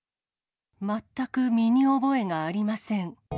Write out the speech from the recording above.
全く身に覚えがありません。